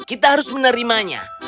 kita harus menerimanya